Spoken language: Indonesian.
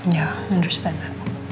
ya aku paham